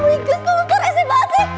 waduh lu keresin banget sih